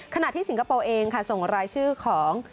ขณะที่สิงคโปร์เองส่งรายชื่อของ